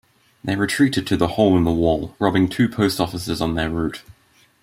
They retreated to the Hole-in-the-Wall, robbing two post offices on their route.